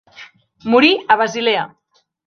Morí a Basilea.